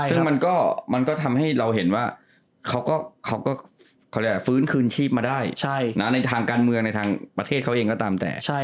ซึ่งมันก็ทำให้เราเห็นว่าเขาก็ฟื้นคืนชีพมาได้ในทางการเมืองในทางประเทศเขาเองก็ตามแต่